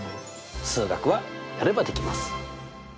数学はやればできます。